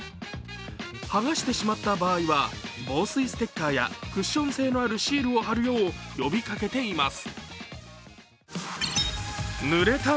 剥がしてしまった場合は、防水ステッカーやクッション性のあるシールを貼るよう、呼びかけています。